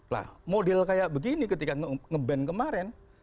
nah model kayak begini ketika nge ban kemarin